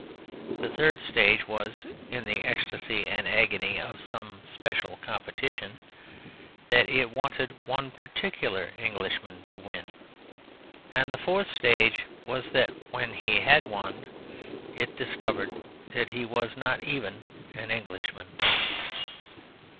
The third stage was (in the ecstasy and agony of some special competition) that it wanted one particular Englishman to win. And the fourth stage was that when he had won, it discovered that he was not even an Englishman.